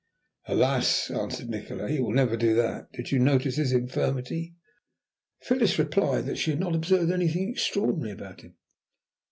"Alas," answered Nikola, "he will never do that. Did you notice his infirmity?" Phyllis replied that she had not observed anything extraordinary about him.